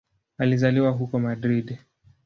Alizaliwa huko Madrid.